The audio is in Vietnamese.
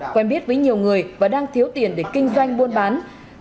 quen biết với nhiều người và đang thiếu tiền để kinh doanh buôn bán